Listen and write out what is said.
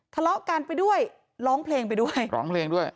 ทะเลาะกันไปด้วยร้องเพลงไปด้วยร้องเพลงด้วย